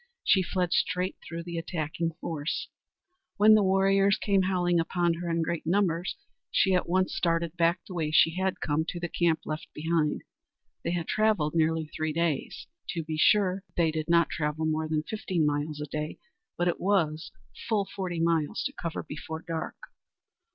She fled straight through the attacking force. When the warriors came howling upon her in great numbers, she at once started back the way she had come, to the camp left behind. They had travelled nearly three days. To be sure, they did not travel more than fifteen miles a day, but it was full forty miles to cover before dark.